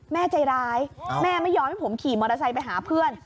แม่ใจร้ายแม่ไม่ยอมให้ผมขี่มอเตอร์ไซค์ไปหาเพื่อน